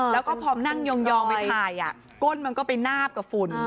แล้วก็พอนั่งยองไปถ่ายก้นมันก็ไปนาบกับฝุ่น